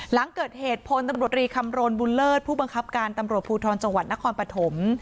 หลังเกิดเหตุพลตำรวจรีคำรณบุญเลิศผู้บังคับการตำรวจภูทรจังหวัดนครปฐม